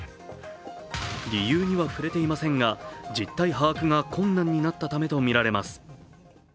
理由には触れていませんが実態把握が困難になったためとみられています。